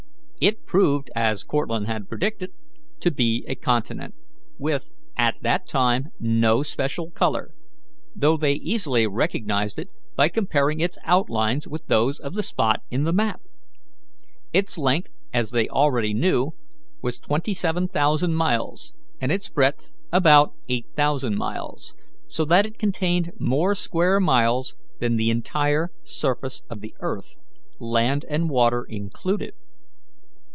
It proved, as Cortlandt had predicted, to be a continent, with at that time no special colour, though they easily recognized it by comparing its outlines with those of the spot in the map. Its length, as they already knew, was twenty seven thousand miles, and its breadth about eight thousand miles, so that it contained more square miles than the entire surface of the earth, land and water included.